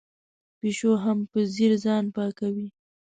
پیشو مې په ځیر ځان پاکوي.